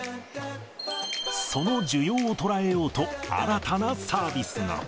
その需要を捉えようと、新たなサービスが。